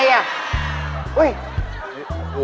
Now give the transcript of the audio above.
มันยังไงอะ